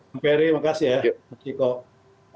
bang ferry terima kasih ya